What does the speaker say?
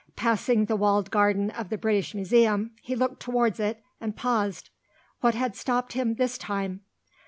Passing the walled garden of the British Museum, he looked towards it and paused. What had stopped him, this time?